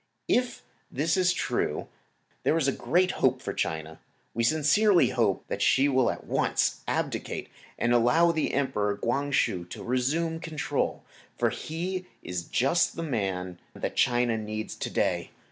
If this is true there is great hope for China. We sincerely hope that she will at once abdicate and allow the Emperor, Kwang Hsu, to resume control, for he is just the man that China needs to day.